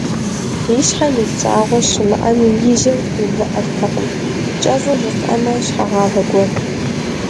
И щхьэм илъ щӀагъуэ щымыӀэми, и жьэр увыӀэртэкъым, кӀэщӀу жысӀэмэ, щхьэгъавэ гуэрт.